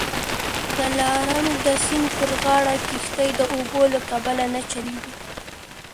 د دلارام د سیند پر غاړه کښتۍ د اوبو له کبله نه چلیږي